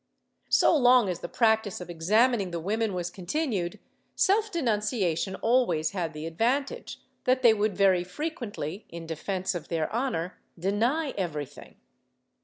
^ So long as the practice of examining the woman was continued, self denunciation always had the advantage that they would very frequently, in defence of their honor, deny everything.